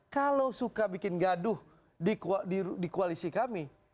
kalau suka bikin gaduh di koalisi kami